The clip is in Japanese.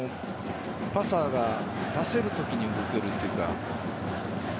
パサーが出せるときに動けるというか。